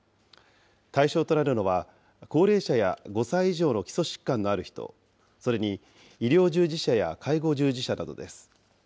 対象となるのは、高齢者や５歳以上の基礎疾患のある人、それに医療従事者や介護従事者などです。